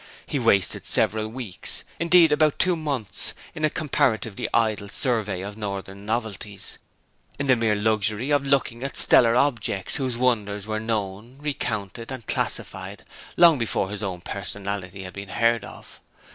He wasted several weeks indeed above two months in a comparatively idle survey of southern novelties; in the mere luxury of looking at stellar objects whose wonders were known, recounted, and classified, long before his own personality had been heard of.